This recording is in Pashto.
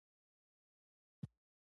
ایا ستاسو سوداګري روانه ده؟